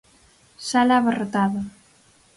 Sala abarrotada.